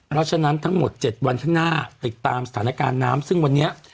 แล้วฉะนั้นทั้งหมดเมื่อเจดวันขั้นหน้าติดตามสถานการณ์น้ำซึ่งวันเนี้ย